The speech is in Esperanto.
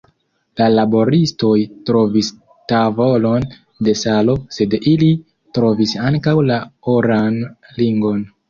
La laboristoj trovis tavolon de salo, sed ili trovis ankaŭ la oran ringon.